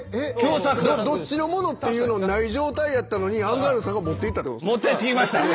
どっちのものっていうのない状態やったのにアンガールズさんが持っていったってことですか？